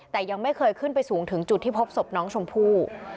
แต่ยังไม่เคยขึ้นไปสูงถึงจุดที่พบศพน้องชมพู่